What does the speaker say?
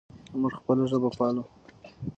موږ خپله ژبه پالو.